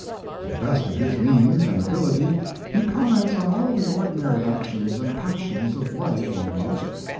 To the best of his means and ability he comments on all the ordinary actions and passions of life almost.